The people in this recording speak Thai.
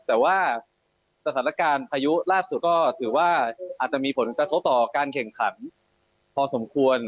แต่ว่าสถานการณ์พายุล่าสุดก็ถือว่าอาจจะมีผลกระทบต่อการแข่งขันพอสมควร